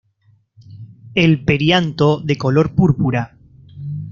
El perianto de color púrpura.